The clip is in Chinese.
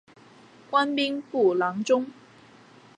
官兵部郎中。